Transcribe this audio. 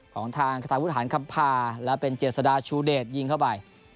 ของทางทางพุทธหารคัมภาและเป็นเจศดาชูเดชยิงเข้าไป